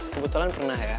kebetulan pernah ya